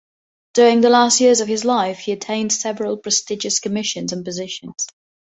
During the last years of his life he attained several prestigious commissions and positions.